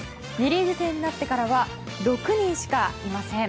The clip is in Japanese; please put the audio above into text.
２リーグ制になってからは６人しかいません。